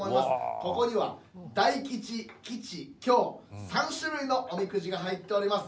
ここには大吉吉凶３種類のおみくじが入っております。